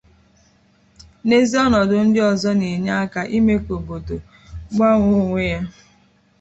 na ezi ọnọdụ ndị ọzọ na-enyé aka ime ka obodo magbuo onwe ya